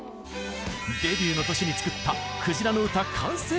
デビューの年に作った『鯨の唄』完成秘話も